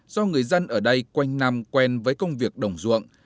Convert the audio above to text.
do người dân ở đây quanh nằm quen với công việc đồng ruộng